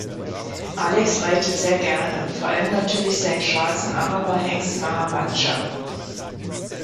Alex reitet sehr gerne, vor allem natürlich seinen schwarzen Araber-Hengst Maharadscha.